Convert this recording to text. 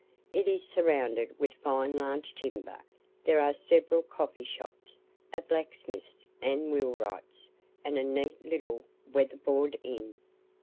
It is surrounded with fine large timber; there are several coffee shops, a blacksmith's and wheelright's, and a neat little weather board inn.